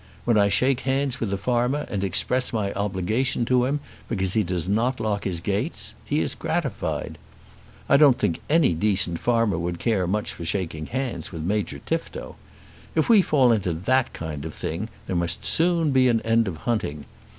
When I shake hands with a farmer and express my obligation to him because he does not lock his gates, he is gratified. I don't think any decent farmer would care much for shaking hands with Major Tifto. If we fall into that kind of thing there must soon be an end of hunting.